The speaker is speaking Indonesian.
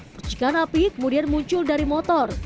percikan api kemudian muncul dari motor